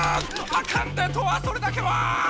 あかんでトアそれだけは！